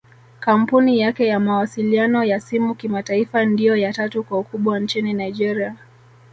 Kampuni yake ya mawasiliano ya simu kimataifa ndio ya tatu kwa ukubwa nchini Nigeria